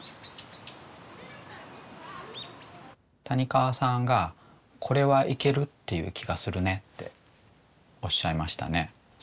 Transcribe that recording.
谷川さんが「これはいけるっていう気がするね」っておっしゃいましたね。